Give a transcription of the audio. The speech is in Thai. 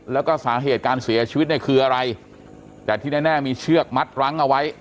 แล้วก็สาเหตุการเสียชีวิตเนี่ยคืออะไรแต่ที่แน่มีเชือกมัดรั้งเอาไว้